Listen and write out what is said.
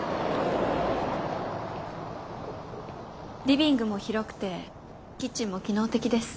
リビングも広くてキッチンも機能的です。